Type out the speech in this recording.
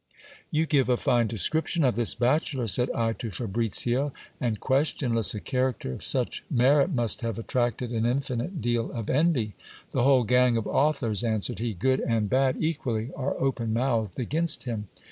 You give a fine description of this bachelor, said I to Fabricio ; and qu.. tionless a character of such merit must have attracted an infinite deal of envy. The whole gang of authors, answered he, good and bad equally, are open mouthed against him.